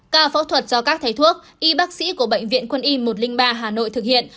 ca phẫu thuật do các thầy thuốc y bác sĩ của bệnh viện quân y một trăm linh ba hà nội thực hiện